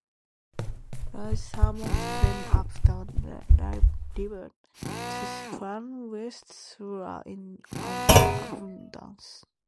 Large salmon swim up the river to spawn, whilst trout are in abundance.